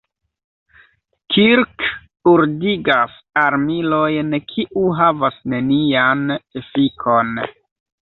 Kirk ordigas armilojn, kiu havas nenian efikon.